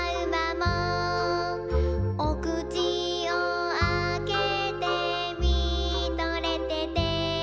「おくちをあけてみとれてて」